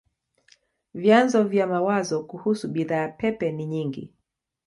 Vyanzo vya mawazo kuhusu bidhaa pepe ni nyingi.